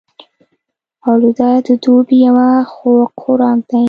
فالوده د دوبي یو خوږ خوراک دی